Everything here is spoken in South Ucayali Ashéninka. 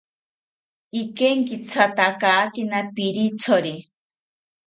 Ikenkithatakakina pirithori